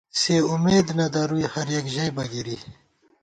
سِے امېد نہ درُوئی ہر یَک ژَئیبہ گِرِی